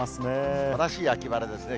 すばらしい秋晴れですね。